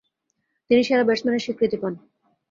তিনি সেরা ব্যাটসম্যানের স্বীকৃতি পান।